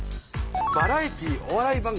バラエティーお笑い番組。